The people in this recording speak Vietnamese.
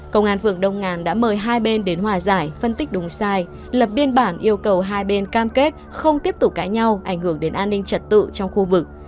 công an phường đông ngàn đã mời hai bên đến hòa giải phân tích đúng sai lập biên bản yêu cầu hai bên cam kết không tiếp tục cãi nhau ảnh hưởng đến an ninh trật tự trong khu vực